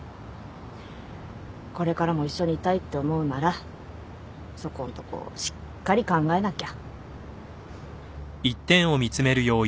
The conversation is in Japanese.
これからも一緒にいたいって思うならそこんとこしっかり考えなきゃ。